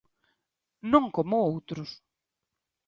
¡Non como outros!